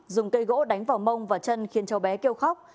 dùng cây gỗ đánh vào mông và chân khiến cháu bé kêu khóc